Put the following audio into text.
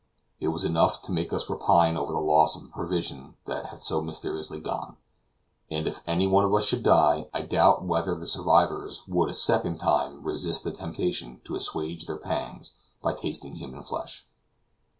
It was enough to make us repine over the loss of the provision that had so mysteriously gone; and if any one of us should die, I doubt whether the survivors would a second time resist the temptation to assuage their pangs by tasting human flesh.